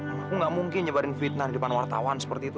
aku nggak mungkin nyebarin fitnah di depan wartawan seperti itu